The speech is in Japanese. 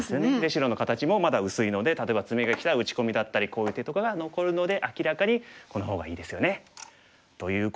白の形もまだ薄いので例えばツメがきたら打ち込みだったりこういう手とかが残るので明らかにこの方がいいですよね。ということで。